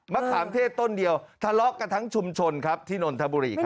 ขามเทศต้นเดียวทะเลาะกันทั้งชุมชนครับที่นนทบุรีครับ